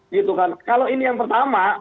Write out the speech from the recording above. gitu kan kalau ini yang pertama